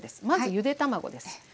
まずゆで卵です。